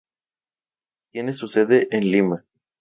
Tiene su sede en Lima.